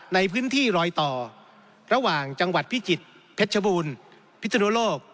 ในพื้นที่รอยต่อระหว่างจังหวัดพิจิตรเพชรบูรณ์พิศนุโลก